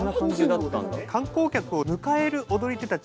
観光客を迎える踊り手たち。